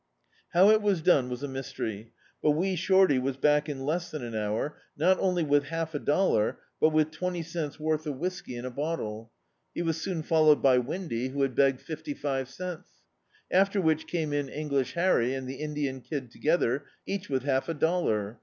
How it was done was a mystery, but Wee Shorty was back in less than an hour, not only with half a dollar but with twenty cents* worth of whisky in [■52] D,i.,.db, Google The Camp a bottle. He was soon followed by Windy, who had be^ed fifty five cents. After which came in English Hany and the Indian Kid together, cadi with half a dollar.